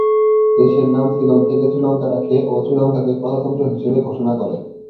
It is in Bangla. দেশের নাম সিলন থেকে শ্রীলঙ্কা রাখে ও শ্রীলঙ্কাকে প্রজাতন্ত্র হিসেবে ঘোষণা করে।